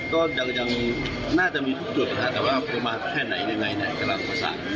ก็ยังน่าจะมีทุกจุดครับแต่ว่าประมาณแค่ไหนไหนไหนกระดับประสาน